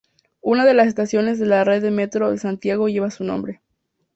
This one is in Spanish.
Una de las estaciones de la red de Metro de Santiago lleva su nombre.